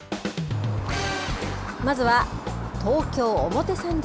まずは東京・表参道。